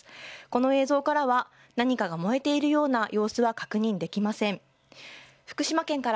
この映像からは何かが燃えているような様子は確認できません。